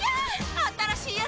新しいやつ！